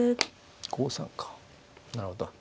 ５三かなるほど。